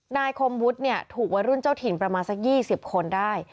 คมวุฒิเนี่ยถูกวัยรุ่นเจ้าถิ่นประมาณสัก๒๐คนได้